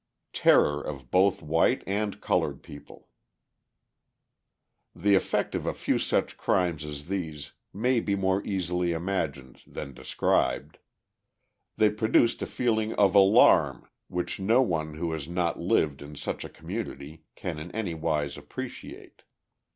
Terror of Both White and Coloured People The effect of a few such crimes as these may be more easily imagined than described. They produced a feeling of alarm which no one who has not lived in such a community can in any wise appreciate.